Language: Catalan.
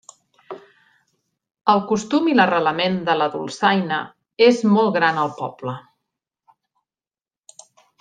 El costum i arrelament de la dolçaina és molt gran al poble.